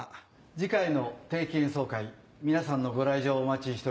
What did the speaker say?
次回の定期演奏会皆さんのご来場をお待ちしております。